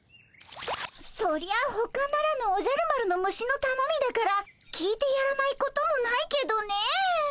そりゃあほかならぬおじゃる丸の虫のたのみだから聞いてやらないこともないけどねえ。